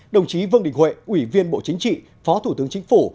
đồng chí vương đình huệ ủy viên bộ chính trị phó thủ tướng chính phủ